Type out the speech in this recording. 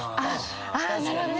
ああなるほどね。